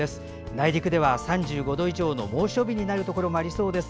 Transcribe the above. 内陸では３５度以上の猛暑日になるところもありそうです。